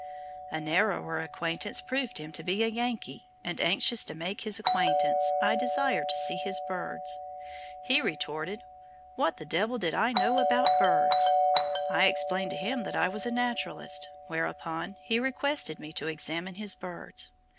A narrower acquaintance proved him to be a Yankee; and anxious to make his acquaintance, I desired to see his birds. He retorted, 'What the devil did I know about birds?' I explained to him that I was a naturalist, whereupon he requested me to examine his birds.